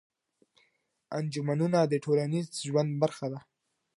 انجمنونه د ټولنيز ژوند برخه ده.